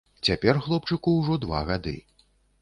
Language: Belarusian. Цяпер хлопчыку ўжо два гады.